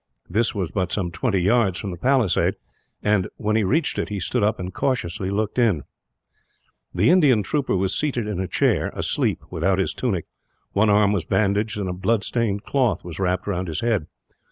This was but some twenty yards from the palisade and, when he reached it, he stood up and cautiously looked in. The Indian trooper was seated in a chair, asleep, without his tunic. One arm was bandaged, and a blood stained cloth was wrapped round his head.